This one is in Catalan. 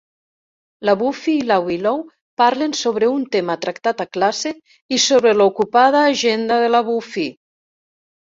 La Buffy i la Willow parlen sobre un tema tractat a classe i sobre l'ocupada agenda de la Buffy.